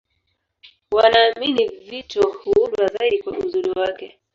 Wanaamini vito huundwa zaidi kwa uzuri wake